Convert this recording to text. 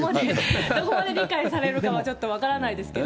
どこまで理解されるかはちょっと分からないですけど。